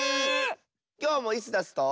きょうもイスダスと。